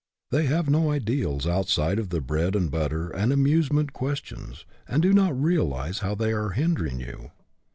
They have no ideals outside of the bread and butter and amusement ques tions, and do not realize how they are hinder ing you.